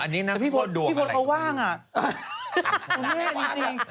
อันนี้นางโคตรดวงอะไรรึพี่โพธเขาว่างอะ